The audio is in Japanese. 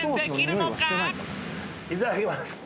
いただきます。